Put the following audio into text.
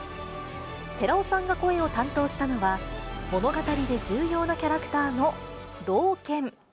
寺尾さんが声を担当したのは、物語で重要なキャラクターの老犬。